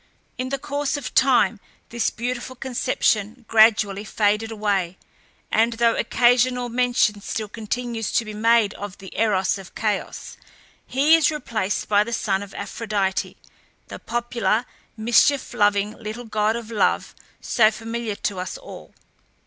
In the course of time, this beautiful conception gradually faded away, and though occasional mention still continues to be made of the Eros of Chaos, he is replaced by the son of Aphrodite, the popular, mischief loving little god of Love, so familiar to us all.